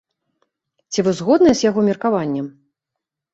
Ці вы згодныя з яго меркаваннем?